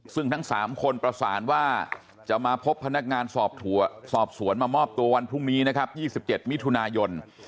ซึ่งทั้ง๓คนประสานว่าจะมาพบพนักงานสอบสวนมามอบตัววันพรุ่งนี้นะครับ๒๗มิถุนายน